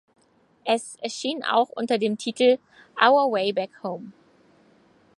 Es erschien auch unter dem Titel "Our Way Back Home".